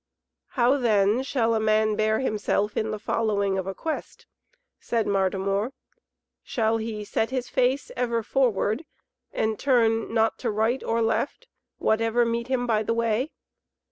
"How then shall a man bear himself in the following of a quest?" said Martimor. "Shall he set his face ever forward, and turn not to right, or left, whatever meet him by the way?